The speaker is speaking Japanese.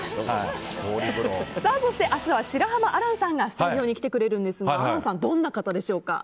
明日は白濱亜嵐さんがスタジオに来てくれるんですが亜嵐さんはどんな方でしょうか？